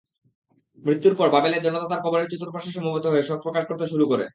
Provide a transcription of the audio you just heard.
মৃত্যুর পর বাবেলে জনতা তাঁর কবরের চতুপার্শ্বে সমবেত হয়ে শোক প্রকাশ করতে শুরু করে।